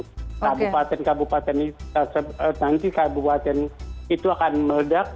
kabupaten kabupaten nanti kabupaten itu akan meledak